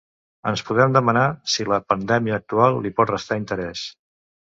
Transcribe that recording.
Ens podem demanar si la pandèmia actual li pot restar interès.